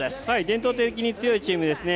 伝統的に強いチームですね。